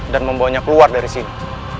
dan membawanya keluar dari sini